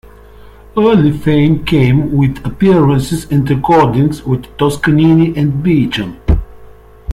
Early fame came with appearances and recordings with Toscanini and Beecham.